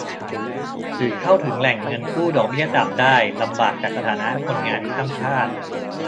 หรือเข้าถึงแหล่งเงินกู้ดอกเบี้ยต่ำได้ลำบากจากสถานะคนงานข้ามชาติ